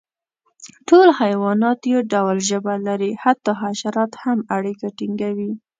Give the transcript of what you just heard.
ټول حیوانات یو ډول ژبه لري، حتی حشرات هم اړیکه ټینګوي.